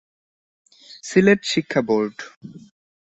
সিলেট শিক্ষা বোর্ড